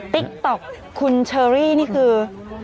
ติ๊กต๊อกคุณเชอรี่นี่คือ